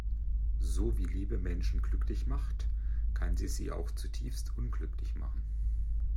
So wie Liebe Menschen glücklich macht, kann sie sie auch zutiefst unglücklich machen.